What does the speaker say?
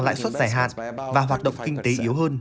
lãi suất giải hạn và hoạt động kinh tế yếu hơn